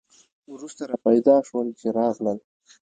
وروسته را پیدا شول چې راغلل.